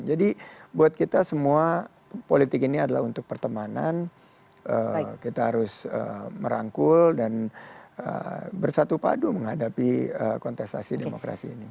jadi buat kita semua politik ini adalah untuk pertemanan kita harus merangkul dan bersatu padu menghadapi kontestasi demokrasi ini